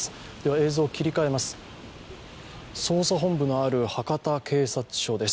映像切り替えます。